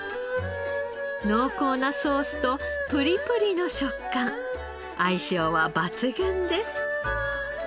濃厚なソースとプリプリの食感相性は抜群です。